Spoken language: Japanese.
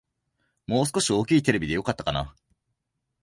もう少し大きいテレビでよかったかな